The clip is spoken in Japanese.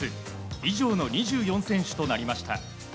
以上の２４選手となりました。